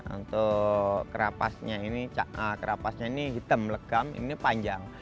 untuk kerapasnya ini hitam legam ini panjang